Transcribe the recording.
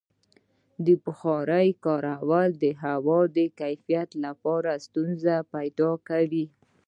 د بخارۍ کارول د هوا د کیفیت لپاره ستونزې پیدا کوي.